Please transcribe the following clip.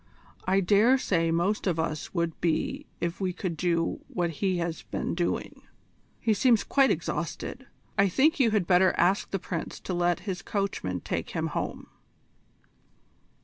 I dare say most of us would be if we could do what he has been doing. He seems quite exhausted. I think you had better ask the Prince to let his coachman take him home."